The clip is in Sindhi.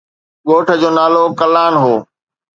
ڳوٺ جو نالو ڪلان هو.